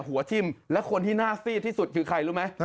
หัวทิ้มและคนที่น่าซีดที่สุดคือใครรู้ไหม